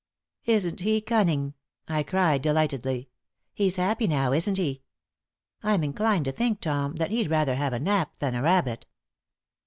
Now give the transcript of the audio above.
"Isn't he cunning!" I cried, delightedly. "He's happy now, isn't he? I am inclined to think, Tom, that he'd rather have a nap than a rabbit."